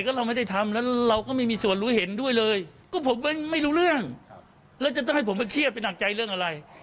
ก็เราไม่ได้ทำแล้วเราก็ไม่มีส่วนรู้เห็นด้วยเลยก็ผมไม่รู้เรื่องแล้วจะต้องให้ผมมาเครียดไปหนักใจเรื่องอะไร